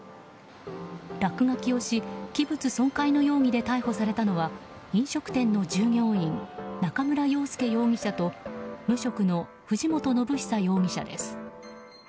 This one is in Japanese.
落書きをし器物損壊の容疑で逮捕されたのは飲食店の従業員中村洋介容疑者と無職の藤本伸久容疑者です。